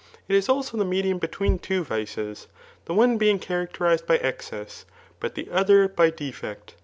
It is ^s6 the medium between two vices, the one being charac terized by excess, but' the other by defect.